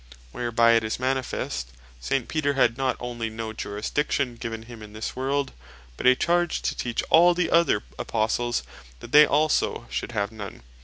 Whereby it is manifest, S. Peter had not onely no jurisdiction given him in this world, but a charge to teach all the other Apostles, that they also should have none.